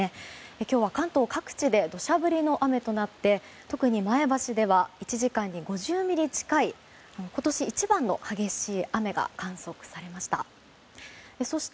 今日は関東各地で土砂降りの雨となって特に前橋では１時間に５０ミリ近い今年一番の激しい雨が観測されました。